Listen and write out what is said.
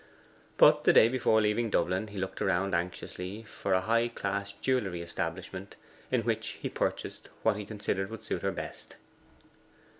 But the day before leaving Dublin he looked around anxiously for a high class jewellery establishment, in which he purchased what he considered would suit her best.